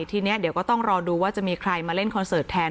ทีนี้เดี๋ยวก็ต้องรอดูว่าจะมีใครมาเล่นคอนเสิร์ตแทน